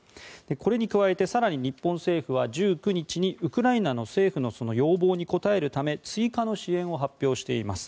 これに加えて更に日本政府は１９日にウクライナの政府の要望に応えるため追加の支援を発表しています。